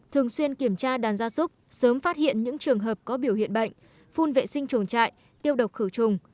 thường xuyên kiểm tra đàn gia súc sớm phát hiện những trường hợp có biểu hiện bệnh phun vệ sinh chuồng trại tiêu độc khử trùng